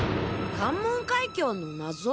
関門海峡の謎？